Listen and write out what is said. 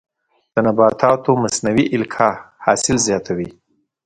د نباتاتو مصنوعي القاح حاصل زیاتوي.